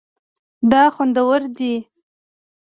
دا خوندور دی